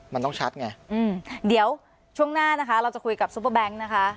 มันต้องชัดไงอืมเดี๋ยวช่วงหน้านะคะเราจะคุยกับซุปเปอร์แบงค์นะคะ